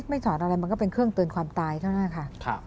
ถอดอะไรมันก็เป็นเครื่องเตือนความตายเท่านั้นค่ะ